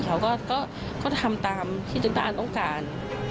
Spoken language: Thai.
เขาก็ทำตามที่จนตาอันต้องการ